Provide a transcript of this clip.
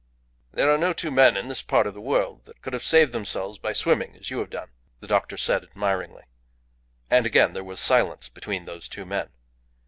"There are no two men in this part of the world that could have saved themselves by swimming as you have done," the doctor said, admiringly. And again there was silence between those two men.